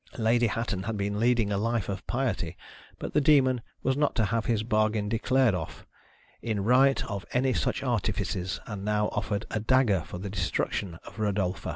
Lady Hatton had been leading a life of piety, but the Demon was not to have his bargain declared off, in right of any such artifices, and now offered a dagger for the destruction of Eodolpha.